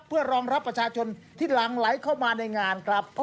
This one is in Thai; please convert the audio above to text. เพื่อรองรับประชาชนที่หลังไหลเข้ามาในงานครับ